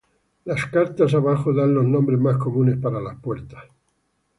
Las cartas abajo dan los nombres más comunes para las puertas.